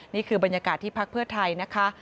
นี่คือบรรยากาศที่พักเพื่อไทยนะคะ